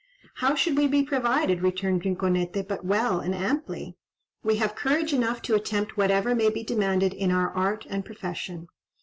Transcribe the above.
"How should we be provided," returned Rinconete, "but well and amply? We have courage enough to attempt whatever may be demanded in our art and profession."